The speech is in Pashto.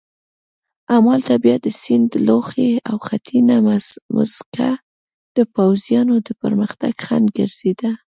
همالته بیا د سیند لوخې او خټینه مځکه د پوځیانو د پرمختګ خنډ ګرځېده.